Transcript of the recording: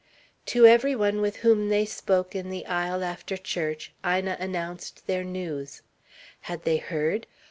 To every one with whom they spoke in the aisle after church, Ina announced their news: Had they heard?